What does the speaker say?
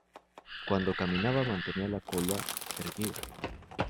Cuando caminaba mantenía la cola erguida.